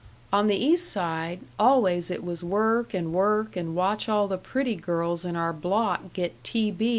On the East Side always it was work and work and watch all the pretty girls in our block get T. B.